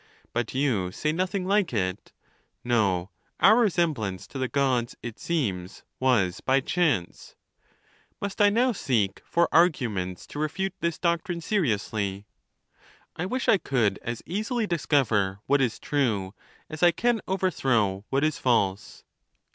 But you say nothing like it ; no, our resemblance to the Gods, it seems, was by chance. Must I now seek for argu ments to refute this doctrine seriously? I wish I could 11 242 THE NATURE OF THE GODS. as easily discover what is true as I can overthrow what is false.